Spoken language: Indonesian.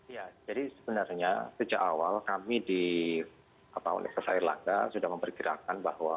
ya jadi sebenarnya sejak awal kami di universitas air langga sudah memperkirakan bahwa